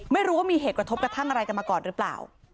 ไม่รู้ว่ามีเหตุกระทบกระทั่งอะไรกันมาก่อนหรือเปล่า